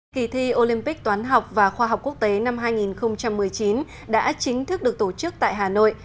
kỳ thi olympic toán học và khoa học quốc tế năm hai nghìn một mươi chín đã chính thức được tổ chức tại hà nội